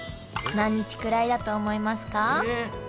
何日くらいだと思いますか？